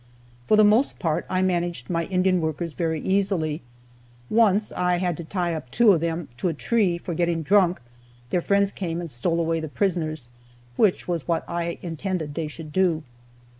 For the most part I managed my Indian workers very easily. Once I had to tie up two of them to a tree for getting drunk; their friends came and stole away the prisoners which was what I intended they should do.